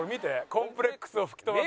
「コンプレックスを吹き飛ばそう！！」